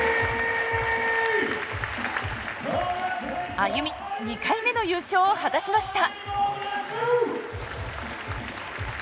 ＡＹＵＭＩ２回目の優勝を果たしました。